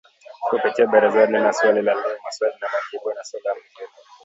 kupitia Barazani na Swali la Leo Maswali na Majibu na Salamu Zenu